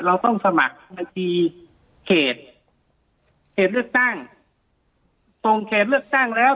เราต้องสมัครบัญชีเขตเขตเลือกตั้งส่งเขตเลือกตั้งแล้ว